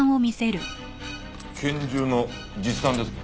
拳銃の実弾ですね。